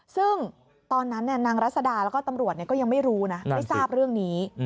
ซึ่งตอนนั้นนางรัศดาแล้วก็ตำรวจก็ยังไม่รู้นะไม่ทราบเรื่องนี้